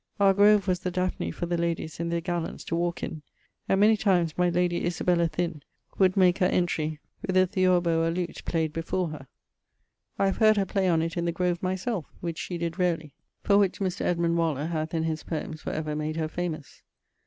Our grove was the Daphne for the ladies and their gallants to walke in, and many times my lady Isabella Thynne[VIII.] would make her entrey with a theorbo or lute played before her. I have heard her play on it in the grove myselfe, which she did rarely; for which Mr. Edmund Waller hath in his Poems for ever made her famous.